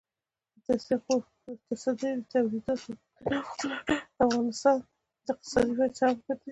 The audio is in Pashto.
د تصدیو د تولیداتو د نوښت ملاتړ د اقتصادي ودې سبب ګرځي.